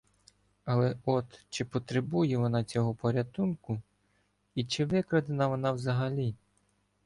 Але от чи потребує вона цього порятунку, і чи викрадена вона взагалі?